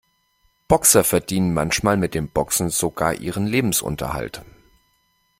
Boxer verdienen manchmal mit dem Boxen sogar ihren Lebensunterhalt.